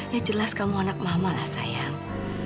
ya jelas kamu anak mama lah sayang